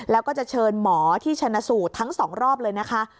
แล้วก็จะเชิญหมอที่ชนะสูตรทั้ง๒รอบเลยนะคะ